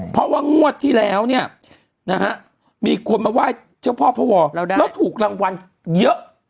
เพราะว่างวดที่แล้วเนี่ยนะฮะมีคนมาไหว้เจ้าพ่อพระวอแล้วถูกรางวัลเยอะ